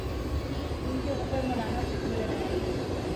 ہی، ان کے اوپر مولانا فضل الرحمن۔